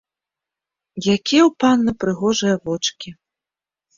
Якія ў панны прыгожыя вочкі.